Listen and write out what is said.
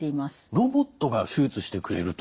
ロボットが手術してくれると。